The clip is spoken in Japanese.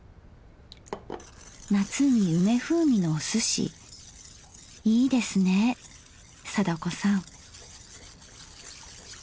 夏に梅風味のおすしいいですね貞子さん。